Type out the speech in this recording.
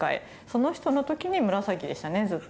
その人の時に紫でしたねずっと。